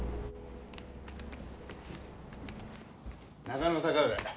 中野坂上。